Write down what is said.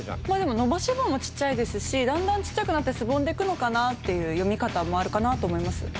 まあでも伸ばし棒もちっちゃいですしだんだんちっちゃくなってすぼんでいくのかなっていう読み方もあるかなと思います。